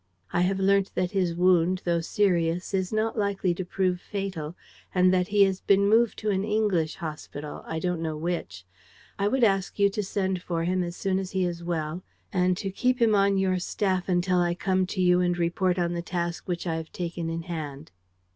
I have learnt that his wound, though serious, is not likely to prove fatal and that he has been moved to an English hospital, I don't know which. I would ask you to send for him as soon as he is well and to keep him on your staff until I come to you and report on the task which I have taken in hand."